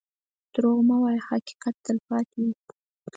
دروغ مه وایه، حقیقت تل پاتې وي.